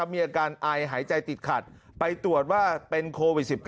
มีอาการไอหายใจติดขัดไปตรวจว่าเป็นโควิด๑๙